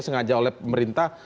sengaja oleh pemerintah